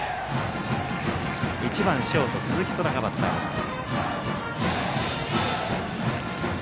１番ショート、鈴木昊がバッターボックス。